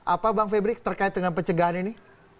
apa bang febrik terkait dengan pencegahan ini